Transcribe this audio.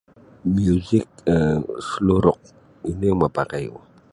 Miuzik um slow rock ino mapakaiku.